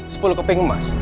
sepuluh keping emas